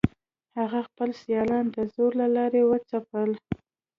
هغه خپل سیالان د زور له لارې وځپل.